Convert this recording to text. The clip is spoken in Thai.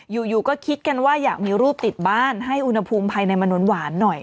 อยู่ก็คิดกันว่าอยากมีรูปติดบ้านให้อุณหภูมิภายในมันหวานหน่อย